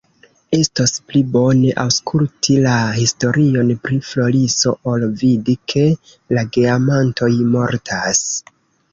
Estos pli bone, aŭskulti la historion pri Floriso ol vidi, ke la geamantoj mortas.